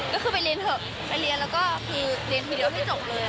ก็คือไปเรียนเถอะไปเรียนแล้วก็คือเรียนทีเดียวให้จบเลย